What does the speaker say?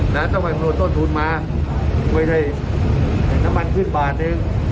นั่นต้องมาเงินโทนทุนมาคุยให้น้ำมันขึ้นบาดนึง